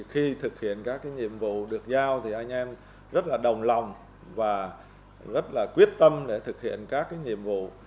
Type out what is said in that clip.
khi thực hiện các nhiệm vụ được giao thì anh em rất là đồng lòng và rất là quyết tâm để thực hiện các nhiệm vụ